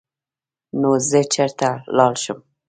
نو زۀ چرته لاړ شم ـ